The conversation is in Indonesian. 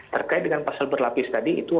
terkait dengan pasal berlapis tadi itu